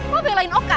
lo belain oka